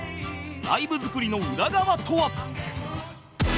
ライブ作りの裏側とは？